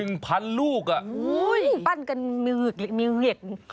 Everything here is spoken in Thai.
โอ้ยปั้นกันมึงเหล็กอะไรมึงเหล็ก